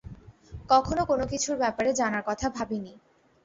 কখনো কোনোকিছুর ব্যাপারে জানার কথা ভাবিনি।